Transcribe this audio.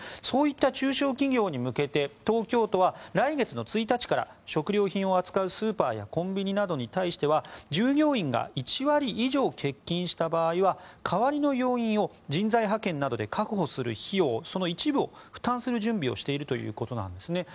そういった中小企業に向けて東京都は来月１日から食品を扱うスーパーやコンビニなどに対して従業員が１割以上欠勤した場合は代わりの要員を人材派遣などで確保する費用の一部を負担する準備をしているということです。